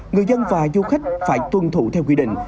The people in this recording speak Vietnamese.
người dân và du khách phải tuân thủ theo quy định